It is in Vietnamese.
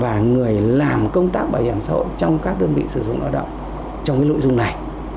và người làm công tác bảo hiểm xã hội trong các đơn vị sử dụng lao động trong nội dung này